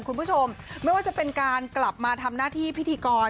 คุณผู้ชมไม่ว่าจะเป็นการกลับมาทำหน้าที่พิธีกร